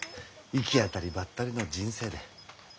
行き当たりばったりの人生で。